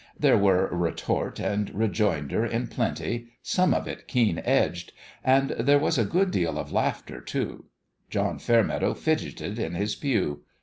There were retort and rejoinder in plenty, some of it keen edged ; and there was a /W HIS OWN BEHALF 337 good deal of laughter, too. John Fairmeadow fidgeted in his pew.